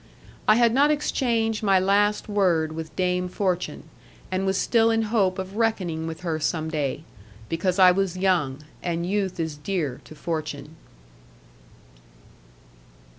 I had not exchanged my last word with Dame Fortune, and was still in hope of reckoning with her some day, because I was young, and youth is dear to Fortune.